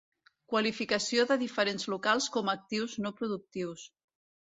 Qualificació de diferents locals com a actius no productius.